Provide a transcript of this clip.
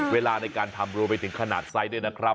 เวลาในการทำรวมไปถึงขนาดไซส์ด้วยนะครับ